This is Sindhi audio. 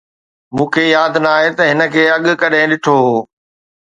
مون کي ياد ناهي ته هن کي اڳ ڪڏهن ڏٺو هو